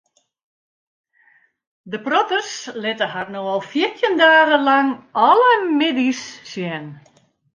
De protters litte har no al fjirtjin dagen lang alle middeis sjen.